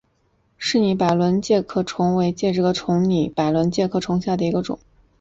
柿拟白轮盾介壳虫为盾介壳虫科拟白轮盾介壳虫属下的一个种。